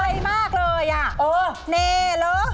หันเลยมากเลยอ่ะเน่หรือ